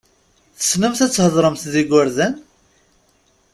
Tessnemt ad theḍṛemt d igurdan?